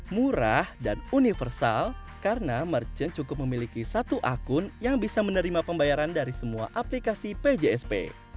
murah dan universal karena merchant cukup memiliki satu akun yang bisa menerima pembayaran dari semua aplikasi pjsp